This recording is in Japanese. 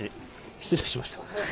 失礼しました。